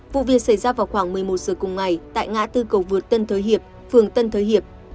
vụ việc xảy ra vào khoảng một mươi một giờ cùng ngày tại ngã tư cầu vượt tân thới hiệp phường tân thới hiệp